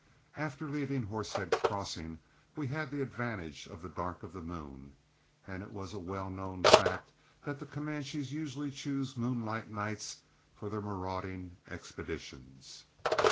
After leaving Horsehead Crossing we had the advantage of the dark of the moon, as it was a well known fact that the Comanches usually choose moonlight nights for their marauding expeditions.